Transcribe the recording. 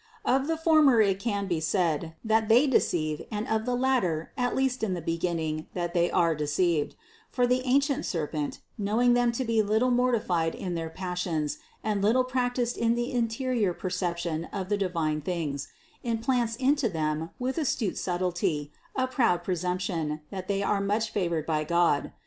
Of the former it can be said, that they deceive, and of the latter, at least in the beginning, that they are deceived; for the ancient serpent, knowing them to be little mortified in their pas sions and little practiced in the interior perception of the divine things, implants into them with astute subtlety a proud presumption, that they are much favored by God.